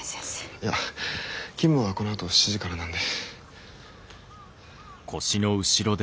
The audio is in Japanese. いや勤務はこのあと７時からなんで。